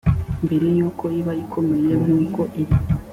mbere y uko iba ikomeye nkuko iri